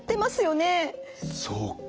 そうか。